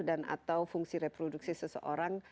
dan atau fungsi reproduksi seseorang